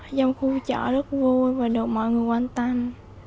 trong khu chợ rất vui và được mọi người quan tâm